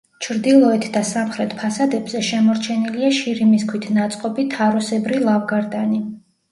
ჩრდილოეთ და სამხრეთ ფასადებზე შემორჩენილია შირიმის ქვით ნაწყობი თაროსებრი ლავგარდანი.